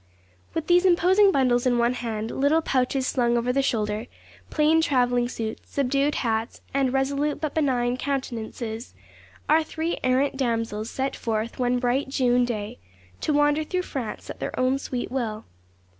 With these imposing bundles in one hand, little pouches slung over the shoulder, plain travelling suits, subdued hats, and resolute but benign countenances, our three errant damsels set forth one bright June day, to wander through France at their own sweet will.